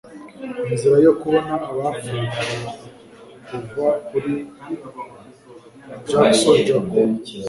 inzira yo kubona abapfuye.kuva kuri jacko jaco